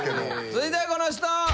続いてはこの人！